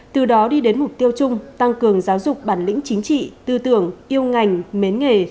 từ đó đi đến mục tiêu chung tăng cường giáo dục bản lĩnh chính trị tư tưởng yêu ngành mến nghề